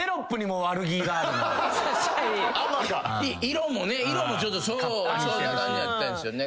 色もねちょっとそんな感じやったんですよね。